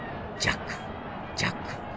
『ジャックジャック！